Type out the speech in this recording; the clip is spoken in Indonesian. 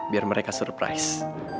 biar mereka surprise